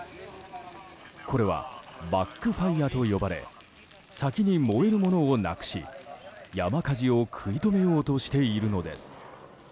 これはバック・ファイアと呼ばれ先に燃えるものをなくし山火事を食い止めようとしているのです。